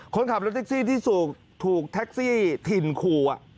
คนขับรถแท็กซี่ที่ถูกแท็กซี่ถิ่นคู่